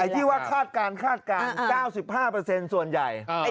อย่างที่ว่าคาดการณ์๙๕ส่วนใหญ่